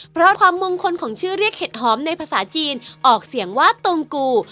เพราะความมงคลของชื่อเรียกเห็ดหอมในภาษาจีนออกเสียงว่าตมกู